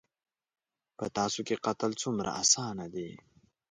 _په تاسو کې قتل څومره اسانه دی.